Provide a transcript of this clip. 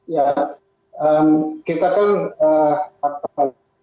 ya kita kan pak